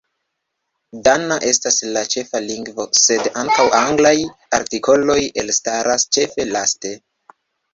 Dana estas la ĉefa lingvo, sed ankaŭ anglaj artikoloj elstaras ĉefe laste.